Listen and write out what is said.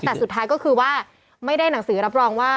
แต่สุดท้ายก็คือว่าไม่ได้หนังสือรับรองว่า